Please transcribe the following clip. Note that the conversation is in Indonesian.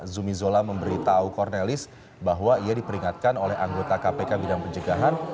zumi zola memberitahu cornelis bahwa ia diperingatkan oleh anggota kpk bidang pencegahan